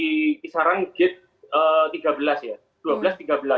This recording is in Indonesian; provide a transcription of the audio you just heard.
di kisaran gate tiga belas ya